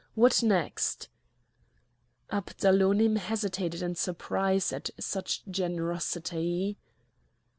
What next?" Abdalonim hesitated in surprise at such generosity.